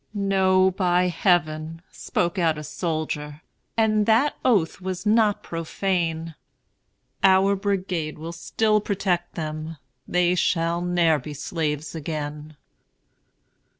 "No, by Heaven!" spoke out a soldier, And that oath was not profane, "Our brigade will still protect them; They shall ne'er be slaves again."